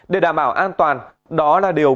để đảm bảo an toàn đó là điều